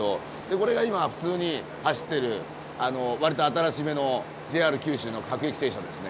これが今普通に走ってるわりと新しめのＪＲ九州の各駅停車ですね。